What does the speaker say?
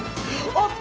おっ！